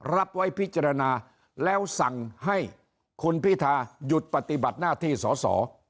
รับไว้พิจารณาแล้วสั่งให้คุณพิทาหยุดปฏิบัติหน้าที่สอสอ